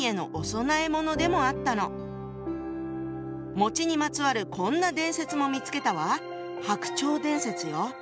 更ににまつわるこんな伝説も見つけたわ。